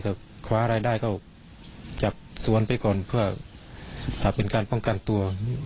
ก็คว้าอะไรได้ก็จับสวนไปก่อนเพื่อเป็นการป้องกันตัว